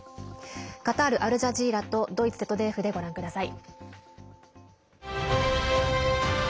カタール・アルジャジーラとドイツＺＤＦでご覧ください。